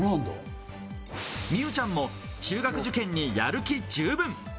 美羽ちゃんも中学受験にやる気十分。